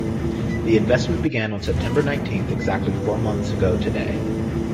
The investment began on September Nineteenth, exactly four months ago today.